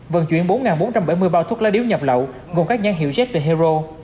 vận chuyển bốn bốn trăm bảy mươi bao thuốc lá điếu nhập lậu gồm các nhãn hiệu z về hero